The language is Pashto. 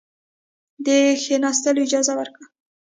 د کښېنستلو اجازه ورکړه.